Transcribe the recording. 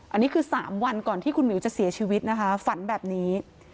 อันนี้คือ๓วันก่อนที่คุณหมิวจะเสียชีวิตนะคะฝันแบบนี้